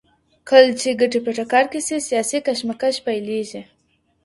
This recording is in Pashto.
کله چي ګټي په ټکر کي سي سياسي کشمکش پيلېږي.